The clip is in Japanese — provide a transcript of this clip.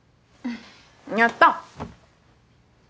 やったー！